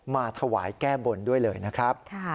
มาถวายแก้บนด้วยเลยนะครับ